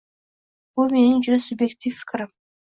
Bu mening juda sub'ektiv fikrim